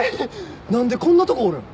なんでこんなとこおるん？